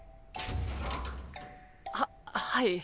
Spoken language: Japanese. ははい。